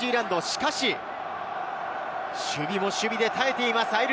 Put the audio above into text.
しかし守備も守備で耐えています。